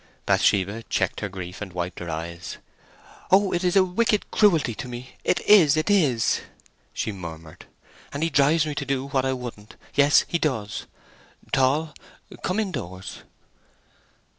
Bathsheba checked her grief and wiped her eyes. "Oh, it is a wicked cruelty to me—it is—it is!" she murmured. "And he drives me to do what I wouldn't; yes, he does!—Tall, come indoors."